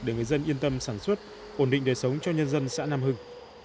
để người dân yên tâm sản xuất ổn định đời sống cho nhân dân xã nam hưng